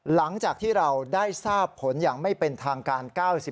หลังจากที่เราได้ทราบผลอย่างไม่เป็นทางการ๙๐